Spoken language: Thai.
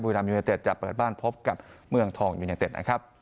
รามยูเนเต็ดจะเปิดบ้านพบกับเมืองทองยูเนเต็ดนะครับ